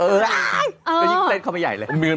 เออยิงเลนเข้าไปใหญ่เลย